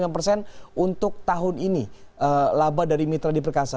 tiga ratus empat puluh lima persen untuk tahun ini laba dari mitra ali perkasa